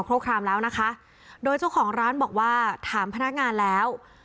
สงครามผู้กำกับการสนองโครคคลามแล้วนะคะโดยเจ้าของร้านบอกว่าถามพนักงานแล้ว